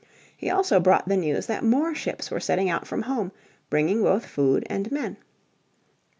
He also brought the news that more ships were setting out from home bringing both food and men.